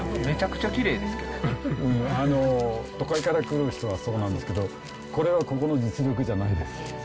十分、都会から来る人はそうなんですけど、これはここの実力じゃないです。